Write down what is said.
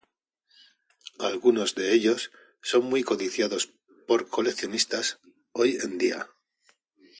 Algunos de ellos son muy codiciados por coleccionistas hoy en día.